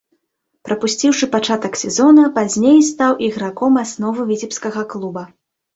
Прапусціўшы пачатак сезона, пазней стаў іграком асновы віцебскага клуба.